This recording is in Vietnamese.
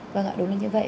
vâng ạ đúng là như vậy